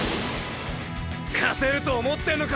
勝てると思ってんのか！！